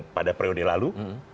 pada priori lalu